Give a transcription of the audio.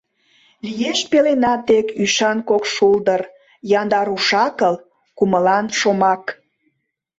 Лиеш пеленна тек ӱшан кок шулдыр: Яндар уш-акыл, кумылан шомак!